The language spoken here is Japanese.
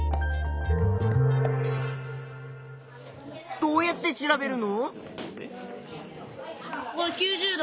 どうやって調べるの？